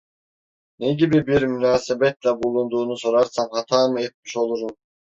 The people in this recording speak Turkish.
Ne gibi bir münasebetle bulunduğunu sorarsam hata mı etmiş olurum?